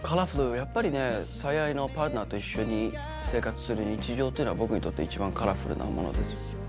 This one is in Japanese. やっぱりね最愛のパートナーと一緒に生活する日常というのが僕にとって一番カラフルなものです。